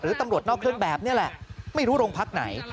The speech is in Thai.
ตำรวจนอกเครื่องแบบนี้แหละไม่รู้โรงพักไหน